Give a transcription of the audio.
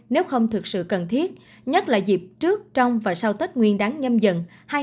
nếu không thực sự cần thiết nhất là dịp trước trong và sau tết nguyên đáng nhâm dần hai nghìn hai mươi